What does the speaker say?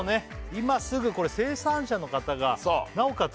今すぐ生産者の方がなおかつ